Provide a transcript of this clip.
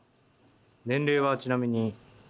年齢はちなみに？